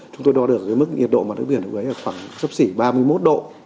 chúng tôi đo được cái mức nhiệt độ mặt nước biển ở đấy là khoảng sấp xỉ ba mươi một độ